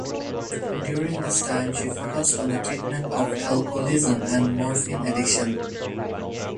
During this time she focused on the treatment of alcoholism and morphine addiction.